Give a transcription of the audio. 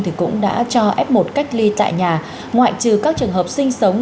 thì cũng đã cho f một cách ly tại nhà ngoại trừ các trường hợp sinh sống